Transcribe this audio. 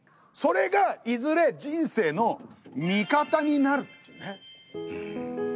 それがいずれ人生の味方になるっていうね。